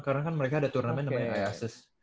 karena kan mereka ada turnamen yang namanya iasis